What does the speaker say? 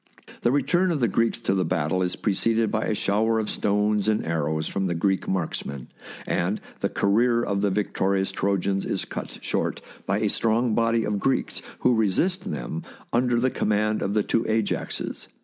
The return of the Greeks to the battle is pre ceded by a shower of stones and arrows from the Greek marksmen, and the career of the victorious Trojans is cut short by a strong body of Greeks who resist them under the command of the two A j axes.